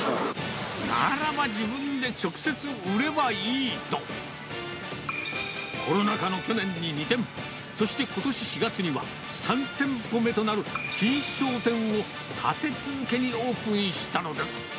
ならば自分で直接売ればいいと、コロナ禍の去年に２店舗、そしてことし４月には、３店舗目となる錦糸町店を、立て続けにオープンしたのです。